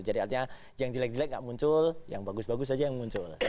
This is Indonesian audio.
jadi artinya yang jelek jelek tidak muncul yang bagus bagus saja yang muncul